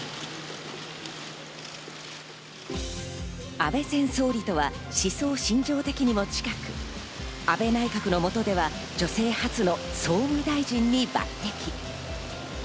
安倍前総理とは思想信条的にも近く、安倍内閣の下では女性初の総務大臣に抜てき。